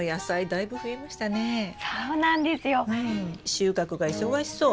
収穫が忙しそう。